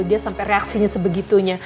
dia sampai reaksinya sebegitunya